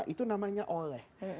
itu namanya oleh